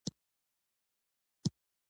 چې خپل ځان په خپله په خوټلون کې له کاره واچوي؟